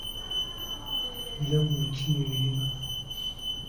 Njawulo ki ebirimu?